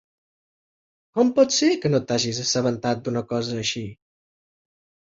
Com pot ser que no t'hagis assabentat d'una cosa així?